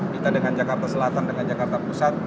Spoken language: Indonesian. kita dengan jakarta selatan dengan jakarta pusat